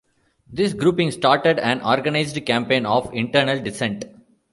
This grouping started an organised campaign of internal dissent.